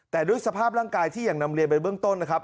แต่ด้วยสภาพร่างกายที่อย่างนำเรียนไปเบื้องต้นนะครับ